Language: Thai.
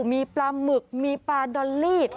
มีปลาหมึกมีปลาดอลลี่